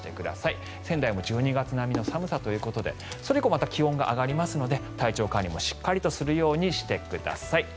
仙台も１２月並みの寒さということでそのほかの気温が下がりますので体調管理もしっかりとするようにしてください。